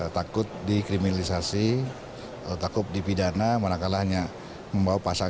takut dikriminalisasi takut dipidana mana kalahnya membawa pasangan